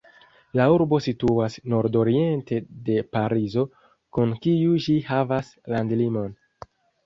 La urbo situas nordoriente de Parizo, kun kiu ĝi havas landlimon.